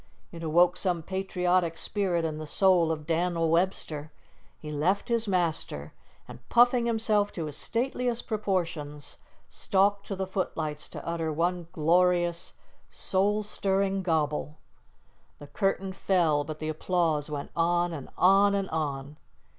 It awoke some patriotic spirit in the soul of Dan'l Webster. He left his master, and, puffing himself to his stateliest proportions, stalked to the footlights to utter one glorious, soul stirring gobble. The curtain fell, but the applause went on and on and on!